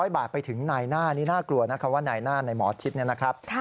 ๑๕๐๐บาทไปถึงในหน้านี่น่ากลัวนะครับว่าในหน้าในหมอชิบนี่นะครับ